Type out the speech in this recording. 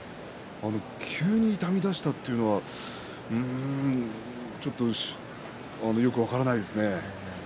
急に痛みだしたということはちょっとよく分からないですね。